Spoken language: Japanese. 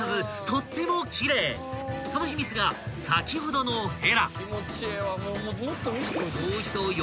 ［その秘密が先ほどのヘラ］